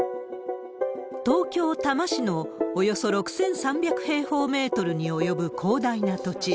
東京・多摩市のおよそ６３００平方メートルに及ぶ広大な土地。